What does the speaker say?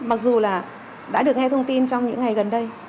mặc dù là đã được nghe thông tin trong những ngày gần đây